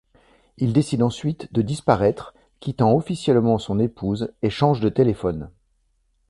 Il décide ensuite de disparaître, quittant officiellement son épouse et change de téléphone.